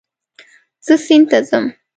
زه سیند ته ځم